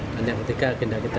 dan yang ketiga agenda kita